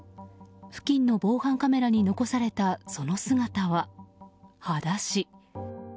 付近の防犯カメラに残されたその姿は、はだし。